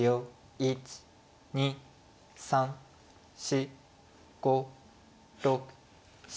１２３４５６７。